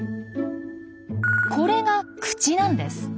これが口なんです。